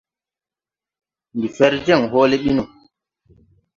Ndi fer jeŋ hoole ɓi no.